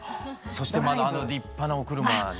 そしてまたあの立派なお車に。